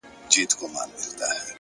هاغه ډوډۍ غـــواړي وؽ وږے يمه